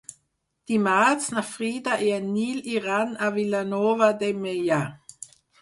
Dimarts na Frida i en Nil aniran a Vilanova de Meià.